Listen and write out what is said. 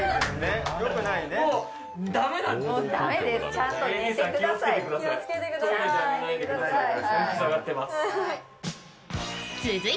ちゃんと寝てください。